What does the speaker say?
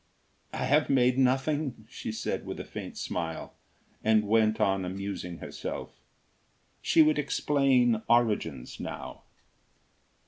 "I have made nothing," she said with a faint smile, and went on amusing herself. She would explain origins, now.